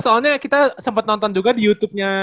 soalnya kita sempat nonton juga di youtube nya